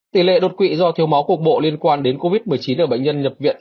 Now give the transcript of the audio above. tỷ lệ đột quỵ do thiếu máu cục bộ liên quan đến covid một mươi chín ở bệnh nhân nhập viện